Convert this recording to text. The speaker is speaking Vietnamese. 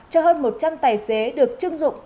cho hơn một trăm linh tài xế được chưng dụng